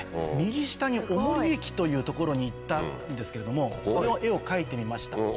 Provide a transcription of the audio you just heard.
右下に尾盛駅という所に行ったんですけれどもその絵を描いてみました。